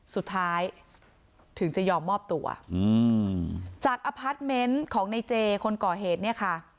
สุดท้ายถึงจะยอมมอบตัวอืมจากอพาร์ทเมนต์ของในเจคนก่อเหตุเนี่ยค่ะ